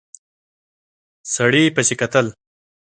سړي پسې کتل.